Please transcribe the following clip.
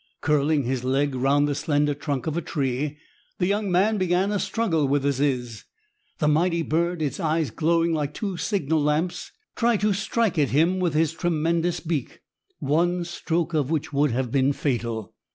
Curling his leg round the slender trunk of a tree, the young man began a struggle with the ziz. The mighty bird, its eyes glowing like two signal lamps, tried to strike at him with his tremendous beak, one stroke of which would have been fatal.